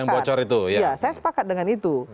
yang bocor itu ya saya sepakat dengan itu